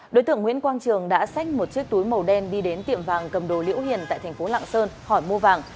đối tượng nguyễn quang trường đã xách một chiếc túi màu đen đi đến tiệm vàng cầm đồ liễu hiền tại thành phố lạng sơn hỏi mua vàng